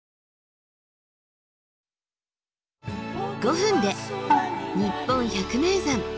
５分で「にっぽん百名山」。